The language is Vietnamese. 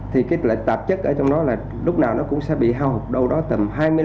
thì cái tạp chất ở trong đó là lúc nào nó cũng sẽ bị hầu đâu đó tầm hai mươi năm